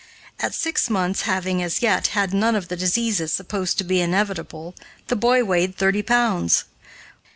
At six months having, as yet, had none of the diseases supposed to be inevitable, the boy weighed thirty pounds.